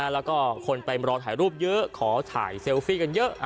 แล้วก็คนไปรอถ่ายรูปเยอะขอถ่ายเซลฟี่กันเยอะ